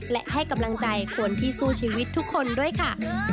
และให้กำลังใจคนที่สู้ชีวิตทุกคนด้วยค่ะ